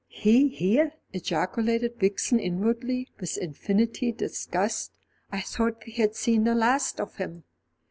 "He here!" ejaculated Vixen inwardly, with infinite disgust. "I thought we had seen the last of him."